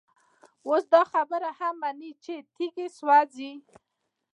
اوس دا خبره هم مني چي تيږي سوزي،